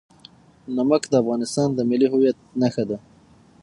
نمک د افغانستان د ملي هویت نښه ده.